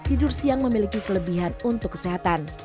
tidur siang memiliki kelebihan untuk kesehatan